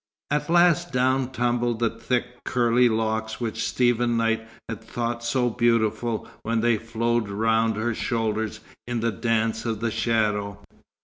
At last down tumbled the thick curly locks which Stephen Knight had thought so beautiful when they flowed round her shoulders in the Dance of the Shadow.